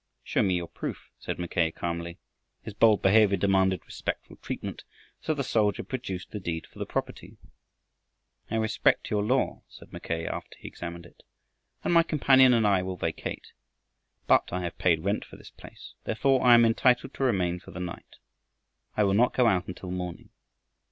"Show me your proof," said Mackay calmly. His bold behavior demanded respectful treatment, so the soldier produced the deed for the property. "I respect your law," said Mackay after he examined it, "and my companion and I will vacate. But I have paid rent for this place, therefore I am entitled to remain for the night. I will not go out until morning."